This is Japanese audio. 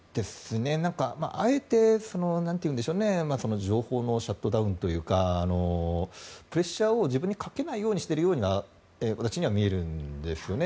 あえて情報のシャットダウンというかプレッシャーを自分にかけないようにしているように私には見えるんですよね。